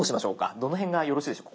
どの辺がよろしいでしょう？